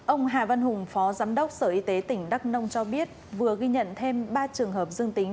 ông hà văn hùng phó giám đốc sở y tế tỉnh đắk nông cho biết vừa ghi nhận thêm ba trường hợp dương tính